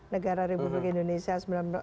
negara ribu ribu indonesia